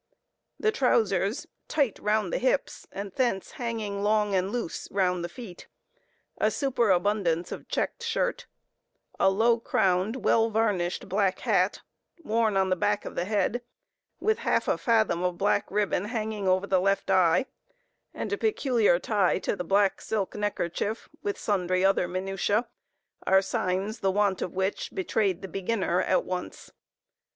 The trousers, tight round the hips, and thence hanging long and loose round the feet, a superabundance of checked shirt, a low crowned, well varnished black hat, worn on the back of the head, with half a fathom of black ribbon hanging over the left eye, and a peculiar tie to the black silk neckerchief, with sundry other minutiæ, are signs, the want of which betrayed the beginner, at once.